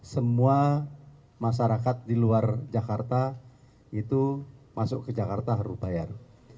semua masyarakat di luar jakarta itu masuk ke jakarta harus bayar